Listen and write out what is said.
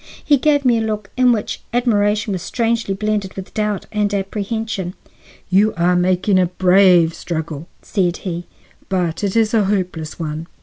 He gave me a look in which admiration was strangely blended with doubt and apprehension. "You are making a brave struggle," said he, "but it is a hopeless one."